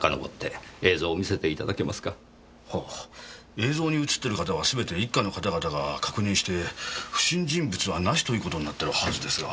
映像に映ってる方はすべて一課の方々が確認して「不審人物はなし」という事になってるはずですが。